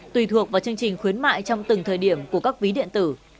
tùy thuộc vào chương trình khuyến mại trong từng thời điểm của các ví điện tử